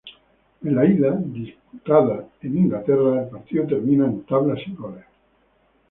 En la ida, disputada en Inglaterra, el partido termina en tablas sin goles.